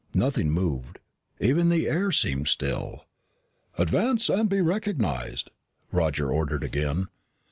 Nothing moved. Even the air seemed still. "Advance and be recognized," Roger ordered again.